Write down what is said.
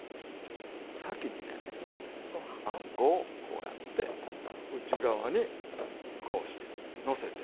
先にねあんこをこうやって内側にこうしてのせて。